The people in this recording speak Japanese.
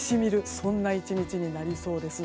そんな１日になりそうです。